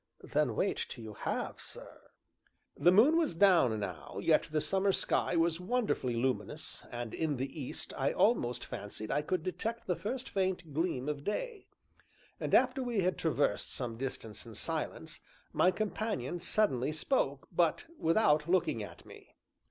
"Then wait until you have, sir." The moon was down now, yet the summer sky was wonderfully luminous and in the east I almost fancied I could detect the first faint gleam of day. And after we had traversed some distance in silence, my companion suddenly spoke, but without looking at me.